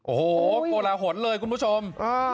โอ้โหโหโปรหลาหละเลยคุณผู้ชมอ่า